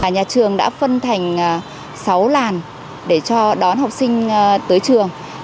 nhà trường đã phân thành sáu làn để cho đón học sinh tới trường